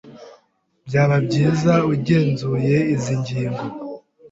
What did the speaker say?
Byaba byiza ugenzuye izi ngingo.